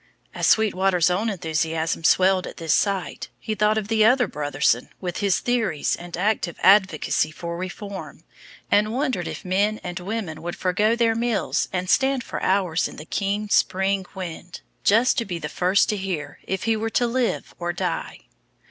As Sweetwater's own enthusiasm swelled at this sight, he thought of the other Brotherson with his theories and active advocacy for reform, and wondered if men and women would forego their meals and stand for hours in the keen spring wind just to be the first to hear if he were to live or die.